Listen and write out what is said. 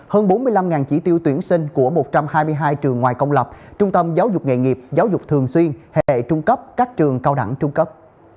hơn bốn mươi năm chỉ tiêu tuyển sinh của một trăm hai mươi hai trường ngoài công lập trung tâm giáo dục nghề nghiệp giáo dục thường xuyên hệ trung cấp các trường cao đẳng trung cấp